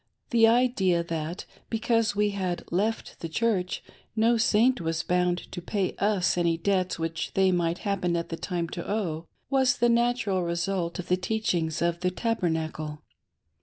The idea that, because we had left the Church, no Saint was bound to pay us any debts which they might hap pen at the time to owe, was the natural result of the teachings of the Tabernacle.